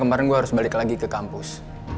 kemarin gue harus balik lagi ke kampus